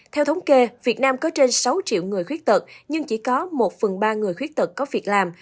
theo thống kê việt nam có trên sáu triệu người khuyết tật nhưng chỉ có một phần ba người khuyết tật có việc làm